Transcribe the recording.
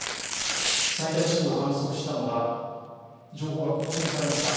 最大震度観測したのが、情報が更新されました。